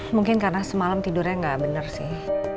mungkin karena semalam tidurnya nggak benar sih